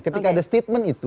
ketika ada statement itu